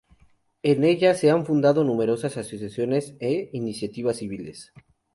En ella se han fundado numerosas asociaciones e iniciativas civiles.